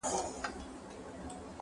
• مخ يې تور په ونه جگ په اوږو پلن وو -